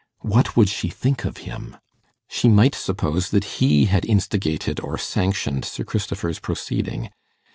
What would she think of him? She might suppose that he had instigated or sanctioned Sir Christopher's proceeding.